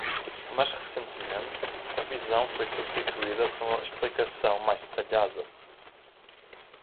Mas recentemente, a visão foi substituída por uma explicação mais detalhada.